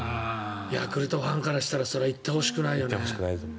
ヤクルトファンからしたらそれは行ってほしくないよね。